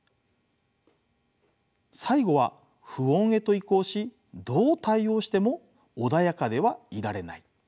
最後は不穏へと移行しどう対応しても穏やかではいられない。